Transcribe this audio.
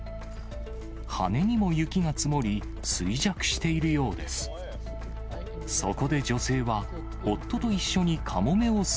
羽にも雪が積もり、衰弱しているようです。